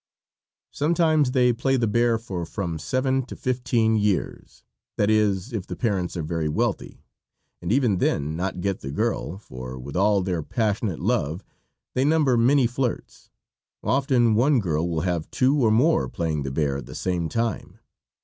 Sometimes they play the bear for from seven to fifteen years that is, if the parents are very wealthy and even then not get the girl, for with all their passionate love they number many flirts. Often one girl will have two or more playing the bear at the same time.